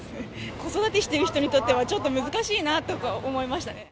子育てしてる人にとっては、ちょっと難しいなとか思いましたね。